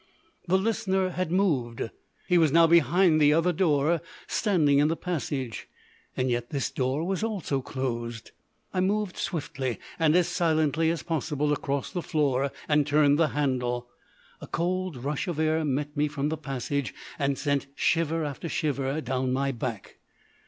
The Listener had moved; he was now behind the other door, standing in the passage. Yet this door was also closed. I moved swiftly, and as silently as possible, across the floor, and turned the handle. A cold rush of air met me from the passage and sent shiver after shiver down my back.